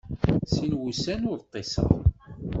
Sin wussan ur ṭṭiseɣ.